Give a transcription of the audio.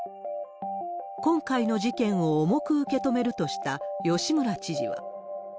今回の事件を重く受け止めるとした吉村知事は。